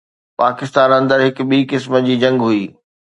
پاڪستان اندر هڪ ٻي قسم جي جنگ هئي.